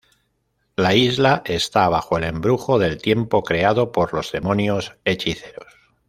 La isla está bajo el embrujo del tiempo creado por los demonios hechiceros.